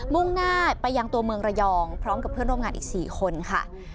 ่งหน้าไปยังตัวเมืองระยองพร้อมกับเพื่อนร่วมงานอีก๔คนค่ะ